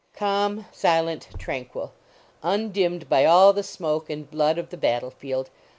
Calm; silent; tranquil. Undimmed by all the smoke and blood of the battle field.